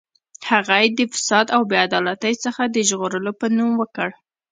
هغه یې د فساد او بې عدالتۍ څخه د ژغورلو په نوم وکړ.